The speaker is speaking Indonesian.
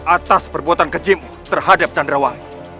atas perbuatan kejimu terhadap candrawati